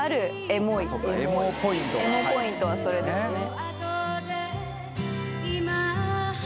エモポイントはそれですね。